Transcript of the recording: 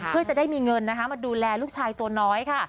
เพื่อจะได้มีเงินนะคะมาดูแลลูกชายตัวน้อยค่ะ